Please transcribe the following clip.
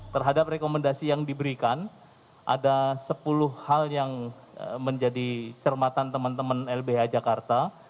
terhadap rekomendasi yang diberikan ada sepuluh hal yang menjadi cermatan teman teman lbh jakarta